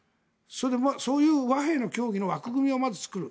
そういう和平の協議の枠組みをまず作る。